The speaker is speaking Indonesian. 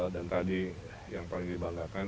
dan tadi yang paling dibanggakan